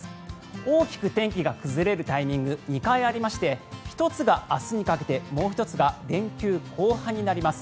大きく天気が崩れるタイミング２回ありまして１つが明日にかけてもう１つが連休後半になります。